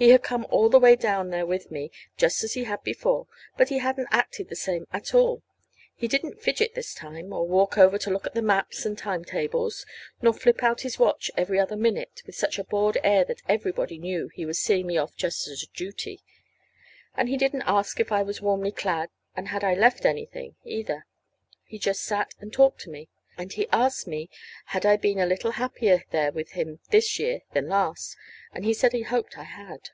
He had come all the way down there with me, just as he had before. But he hadn't acted the same at all. He didn't fidget this time, nor walk over to look at maps and time tables, nor flip out his watch every other minute with such a bored air that everybody knew he was seeing me off just as a duty. And he didn't ask if I was warmly clad, and had I left anything, either. He just sat and talked to me, and he asked me had I been a little happier there with him this year than last; and he said he hoped I had.